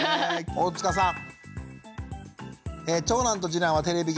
大塚さん！